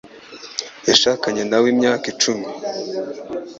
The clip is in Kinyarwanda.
Yashakanye na we imyaka icumi.